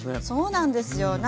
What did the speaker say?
そうなんですよ。